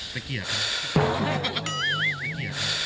ไม่เกลียดครับ